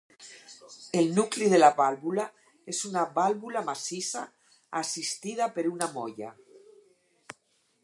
El nucli de la vàlvula és una vàlvula massissa assistida per una molla.